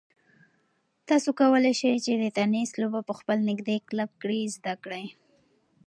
تاسو کولای شئ چې د تېنس لوبه په خپل نږدې کلب کې زده کړئ.